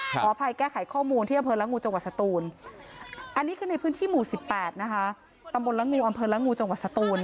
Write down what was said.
ขออภัยแก้ไขข้อมูลที่อำเภอละงูจังหวัดสตูนอันนี้คือในพื้นที่หมู่๑๘นะคะ